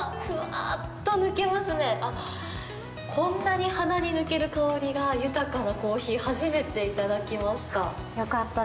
あっ、こんなに鼻に抜ける香りが豊かなコーヒー、初めて頂きました。